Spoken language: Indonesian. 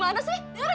denger gak sih pergi